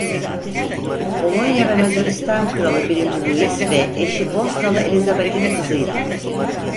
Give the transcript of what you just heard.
Polonya ve Macaristan Kralı birinci Louis ve eşi Bosnalı Elizabeth'in kızıydı.